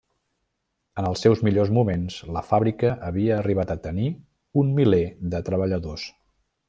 En els seus millors moments la fàbrica havia arribat a tenir un miler de treballadors.